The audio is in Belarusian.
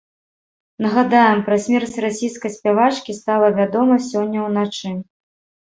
Нагадаем, пра смерць расійскай спявачкі стала вядома сёння ўначы.